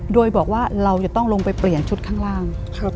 โดยบอกว่าเราจะต้องลงไปเปลี่ยนชุดข้างล่าง